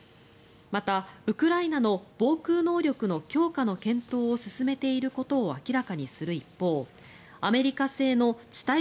またウクライナの防空能力の強化の検討を進めていることを明らかにする一方アメリカ製の地